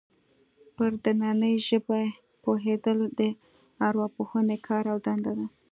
پر دنننۍ ژبې پوهېدل د ارواپوهنې کار او دنده ده